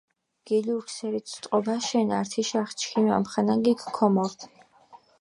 გილურქ სერით ტყობიშენ, ართიშახ ჩქიმ ამხანაგიქ ქომორთ.